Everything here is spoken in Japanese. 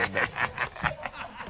ハハハ